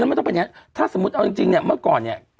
แต่จริงแล้วไม่ต้องเป็นอย่างงี้ถ้าสมมติเอาจริงเนี่ยเมื่อก่อนเนี่ย